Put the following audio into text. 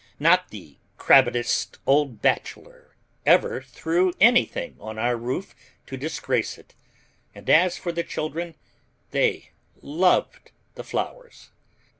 Not the crabbedest old bachelor ever threw anything on our roof to disgrace it; and as for the children, they loved the flowers.